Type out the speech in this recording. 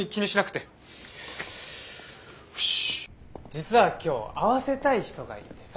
実は今日会わせたい人がいてさ。